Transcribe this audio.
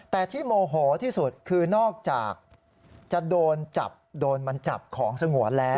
แต่ที่โมโหที่สุดคือนอกจากจะโดนจับของสงวนแล้ว